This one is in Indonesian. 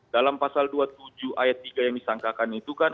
dalam pasal dua puluh tujuh ayat tiga yang disangkakan itu kan